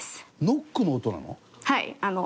ノックの音なの？